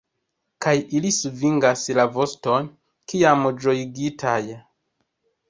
Kaj ili svingas la voston, kiam ĝojigitaj.